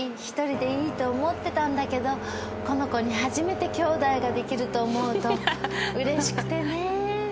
一人でいいと思ってたんだけどこの子に初めてきょうだいができると思うとうれしくてねぇ。